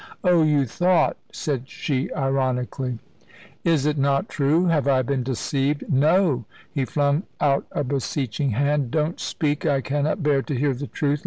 "Oh, you thought!" said she, ironically. "Is it not true? Have I been deceived? No!" he flung out a beseeching hand; "don't speak I cannot bear to hear the truth.